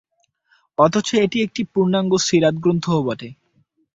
অথচ এটি একটি পূর্ণাঙ্গ সীরাত গ্রন্থও বটে।